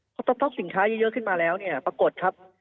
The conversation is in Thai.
พอสป๊อกสินค้าเยอะขึ้นมาแล้วเนี่ยปรากฏครับ